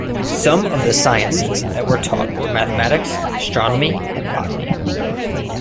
Some of the sciences that were taught were mathematics, astronomy, and botany.